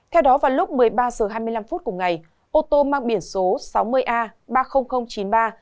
theo đó vào lúc một mươi ba h hai mươi năm phút cùng ngày ô tô mang biển số sáu mươi a ba mươi nghìn chín mươi ba